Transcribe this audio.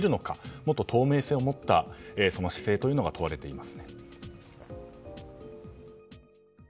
もっと透明性を持った姿勢が問われています。